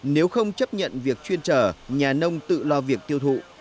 nếu không chấp nhận việc chuyên trở nhà nông tự lo việc tiêu thụ